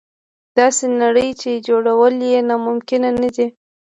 داسې نړۍ چې جوړول یې ناممکن نه دي.